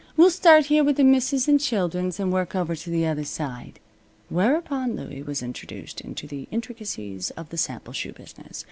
We'll start here with the misses' an' children's, and work over to the other side." Whereupon Louie was introduced into the intricacies of the sample shoe business.